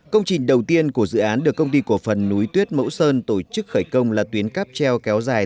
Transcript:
công trình đầu tiên của dự án được công ty cổ phần núi tuyết mẫu sơn tổ chức khởi công là tuyến cáp treo kéo dài